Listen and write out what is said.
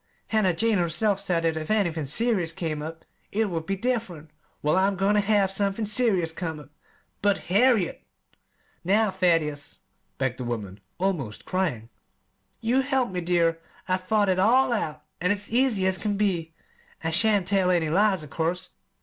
Hannah Jane herself said that if anythin' 'serious' came up it would be diff'rent. Well, I'm goin' ter have somethin' 'serious' come up!" "But, Harriet " "Now, Thaddeus," begged the woman, almost crying, "you must help me, dear. I've thought it all out, an' it's easy as can be. I shan't tell any lies, of course.